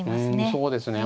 そうですね。